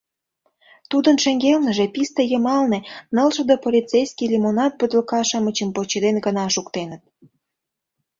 Тудын шеҥгелныже писте йымалне ныл шыде полицейский лимонад бутылка-шамычым почеден гына шуктеныт.